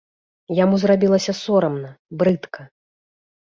Яму зрабілася сорамна, брыдка.